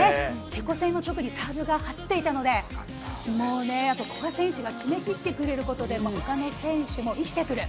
チェコ戦も特にサーブが走っていたので古賀選手が決めきってくれることでほかの選手も生きてくる。